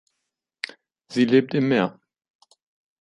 Sie lebt im Meer.